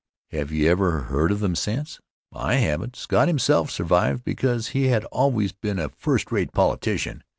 Have you ever heard of them since? I haven't. Scott himself survived because he had always been a first rate politician.